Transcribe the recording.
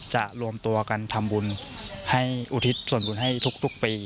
รวมตัวกันทำบุญให้อุทิศส่วนบุญให้ทุกปี